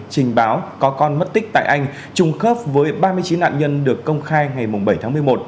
trình báo có con mất tích tại anh trùng khớp với ba mươi chín nạn nhân được công khai ngày bảy tháng một mươi một